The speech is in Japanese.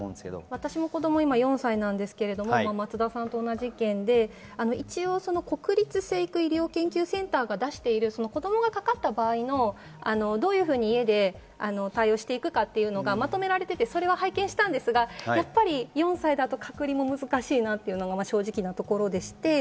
私の子供は４歳なんですけれども、松田さんと同じ意見で、国立成育医療研究センターが出している子供がかかった場合、どういうふうに家で対応していくかというのがまとめられていて拝見したんですが、やっぱり４歳だと隔離も難しいなというのが正直なところです。